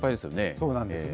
そうなんですね。